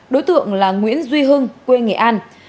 đối tượng là nguyễn duy hưng quê nghệ an